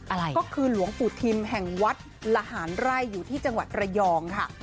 อะไรก็คือหลวงปู่ทิมแห่งวัดละหารไร่อยู่ที่จังหวัดระยองค่ะ